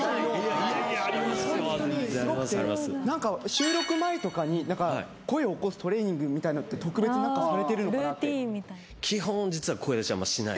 収録前とかに声を起こすトレーニングみたいのって特別何かされてるのかなって。